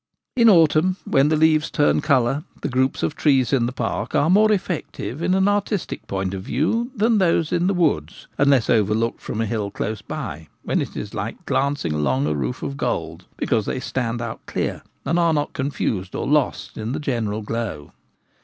In autumn, when the leaves turn colour, the groups of trees in the park are more effective in an artistic point of view than those in the woods (unless over looked from a hill close by, when it is like glancing along a roof of gold), because they stand out clear, and are not confused or lost in the general glow.